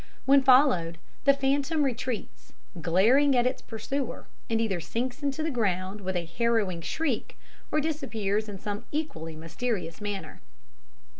When followed the phantom retreats, glaring at its pursuer, and either sinks into the ground with a harrowing shriek, or disappears in some equally mysterious manner.